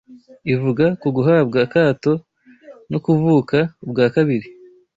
ivuga ku guhabwa akato no kuvuka ubwa kabiri